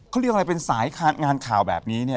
เขาเรียกอะไรเป็นสายงานข่าวแบบนี้เนี่ย